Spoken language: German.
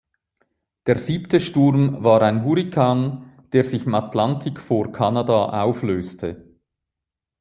Der siebte Sturm war ein Hurrikan, der sich im Atlantik vor Kanada auflöste.